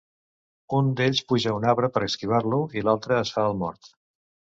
Un d'ells puja a un arbre per esquivar-lo i l'altre es fa el mort.